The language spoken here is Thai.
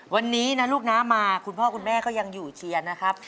วันนี้นะลูกนะมาคุณพ่อคุณแม่ก็ยังอยู่เชียร์นะครับ